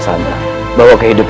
tidak tidak tidak